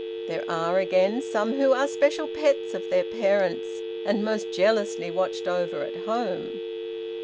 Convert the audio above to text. There are again some who are special pets of their parents, and most jealously watched over at home.